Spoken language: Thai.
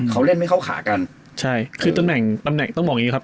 เขาเล่นไม่เข้าขากันใช่คือตำแหน่งตำแหน่งต้องบอกอย่างงี้ครับ